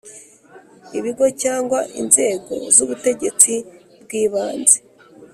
Ibigo cyangwa inzego z ubutegetsi bw ibanze